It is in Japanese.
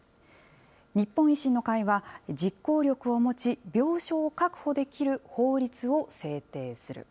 日本維新の会は、実行力を持ち、病床を確保できる法律を制定する。